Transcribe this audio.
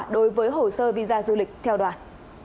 đối với hồ sơ visa du lịch theo đoàn